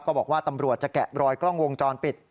บอกว่าตำรวจจะแกะรอยกล้องวงจรปิด